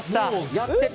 やってた？